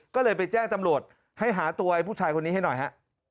ก็เลยไปแจ้งตำรวจให้หาตัวไอ้ผู้ชายคนนี้ให้หน่อยฮะ